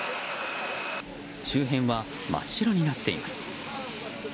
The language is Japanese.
周辺は真っ白になっています。